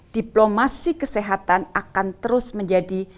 diplomasi kesehatan akan terus menjadi